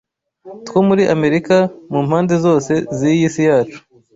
two muri Amerika, mu mpande zose z’iyi si yacu